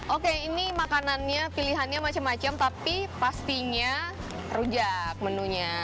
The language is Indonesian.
oke ini makanannya pilihannya macam macam tapi pastinya rujak menunya